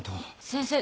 先生。